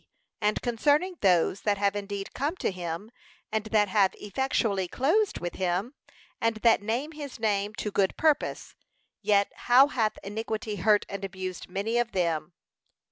And concerning those that have indeed come to him, and that have effectually closed with him, and that name his name to good purpose; yet how hath iniquity hurt and abused many of them.